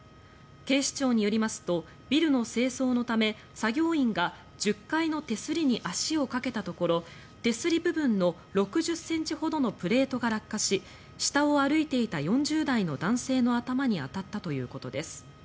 警視庁によりますとビルの清掃のため作業員が１０階の手すりに足をかけたところ手すり部分の６０ｃｍほどのプレートが落下し下を歩いていた４０代の男性の頭に当たったということです。